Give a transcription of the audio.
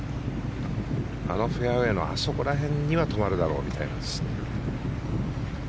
あのフェアウェーのあそこら辺には止まるだろうみたいな。